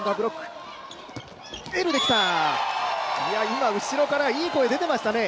今、後ろからいい声、出てましたね。